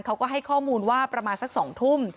เขาก็ให้ข้อมูลว่าประมาณสัก๒ทุ่ม